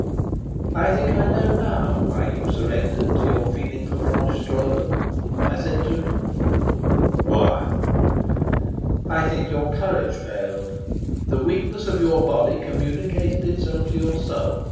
"I think I know now why you surrendered to your feeling for Blanche Stroeve," I said to him. "Why?" "I think your courage failed. The weakness of your body communicated itself to your soul.